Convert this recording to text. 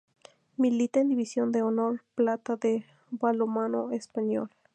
Milita en División de Honor Plata del balonmano español.